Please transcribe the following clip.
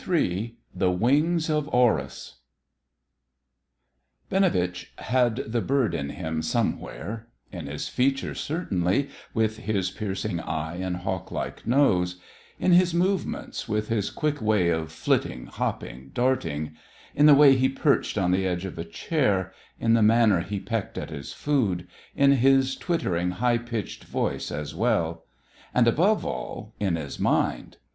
III THE WINGS OF HORUS Binovitch had the bird in him somewhere: in his features, certainly, with his piercing eye and hawk like nose; in his movements, with his quick way of flitting, hopping, darting; in the way he perched on the edge of a chair; in the manner he pecked at his food; in his twittering, high pitched voice as well; and, above all, in his mind.